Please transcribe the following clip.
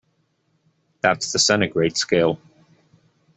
That's the centigrade scale.